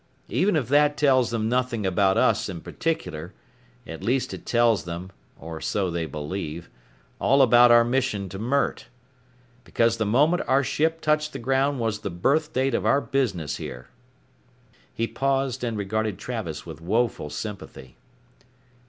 Even if that tells them nothing about us in particular at least it tells them, or so they believe, all about our mission to Mert. Because the moment our ship touched the ground was the birth date of our business here." He paused and regarded Travis with woeful sympathy.